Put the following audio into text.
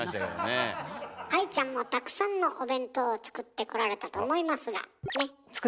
愛ちゃんもたくさんのお弁当を作ってこられたと思いますがねっ。